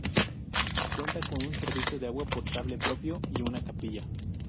Cuenta con un servicio de agua potable propio y una capilla.